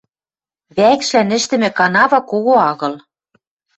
Вӓкшлӓн ӹштӹмӹ канава кого агыл